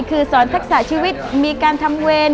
คือสอนทักษะชีวิตมีการทำเวร